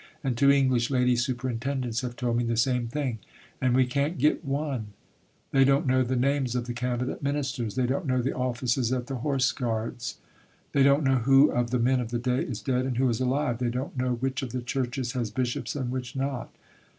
And two English Lady Superintendents have told me the same thing. And we can't get one.... They don't know the names of the Cabinet Ministers. They don't know the offices at the Horse Guards. They don't know who of the men of the day is dead and who is alive. They don't know which of the Churches has Bishops and which not.